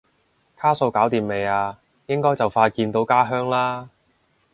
卡數搞掂未啊？應該就快見到家鄉啦？